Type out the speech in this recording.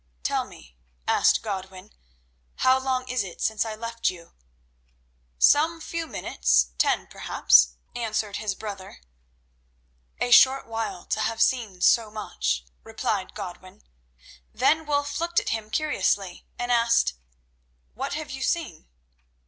"Tell me," asked Godwin, "how long is it since I left you?" "Some few minutes—ten perhaps," answered his brother. "A short while to have seen so much," replied Godwin. Then Wulf looked at him curiously and asked: "What have you seen?"